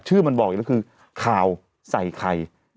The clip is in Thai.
ชื่อมันบอกอีกแล้วคือข่าวใส่ไข่